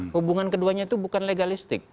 hubungan keduanya itu bukan legalistik